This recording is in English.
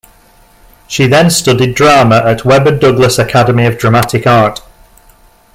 She then studied drama at Webber Douglas Academy of Dramatic Art.